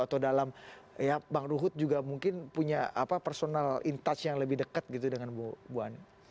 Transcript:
atau dalam ya bang ruhut juga mungkin punya personal in touch yang lebih dekat gitu dengan bu ani